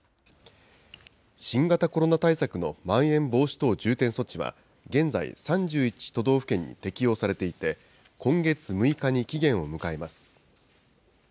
新型コロナ対策のまん延防止等重点措置は、現在３１都道府県に適用されていて、今月６日に期限を迎えます。